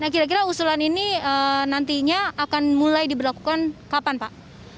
nah kira kira usulan ini nantinya akan mulai diberlakukan kapan pak